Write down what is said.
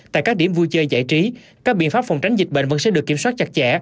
tại các điểm vui chơi giải trí các biện pháp phòng tránh dịch bệnh vẫn sẽ được kiểm soát chặt chẽ